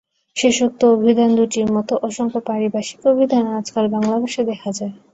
শেষোক্ত অভিধান দুটির মতো অসংখ্য পারিভাষিক অভিধান আজকাল বাংলা ভাষায় দেখা যায়।